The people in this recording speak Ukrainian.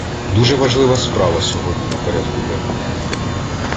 Дуже важлива справа сьогодні на порядку денному.